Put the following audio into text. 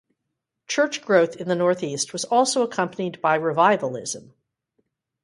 Church growth in the Northeast was also accompanied by revivalism.